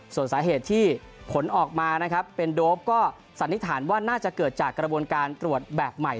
ส่วนสาเหตุที่ผลออกมานะครับเป็นโดปก็สันนิษฐานว่าน่าจะเกิดจากกระบวนการตรวจแบบใหม่